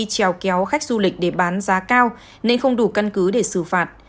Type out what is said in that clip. trèo kéo khách du lịch để bán giá cao nên không đủ cân cứ để xử phạt